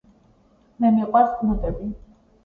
მე მიყვარს კნუტები